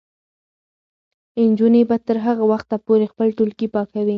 نجونې به تر هغه وخته پورې خپل ټولګي پاکوي.